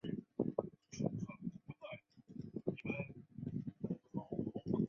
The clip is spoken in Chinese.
在苏联财政部研究所任经济学家。